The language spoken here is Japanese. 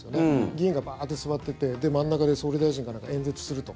議員がバーッて座ってて真ん中で総理大臣が演説すると。